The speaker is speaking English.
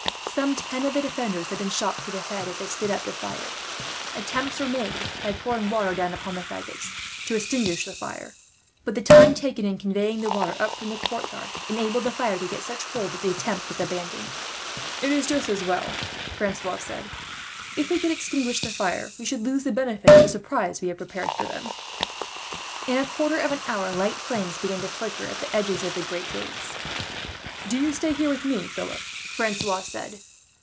Some ten of the defenders had been shot through the head, as they stood up to fire. Attempts were made, by pouring water down upon the faggots, to extinguish the flames; but the time taken, in conveying the water up from the courtyard, enabled the fire to get such hold that the attempt was abandoned. "It is just as well," Francois said. "If we could extinguish the fire, we should lose the benefit of the surprise we have prepared for them." In a quarter of an hour, light flames began to flicker up at the edges of the great gates. "Do you stay here with me, Philip," Francois said.